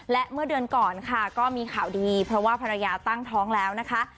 และเมื่อเดือนก่อนค่ะก็มีข่าวดีเพราะว่าภรรยาตั้งท้องแล้วนะคะ